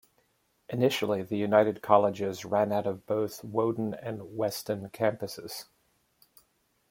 Initially, the united colleges ran out of both Woden and Weston campuses.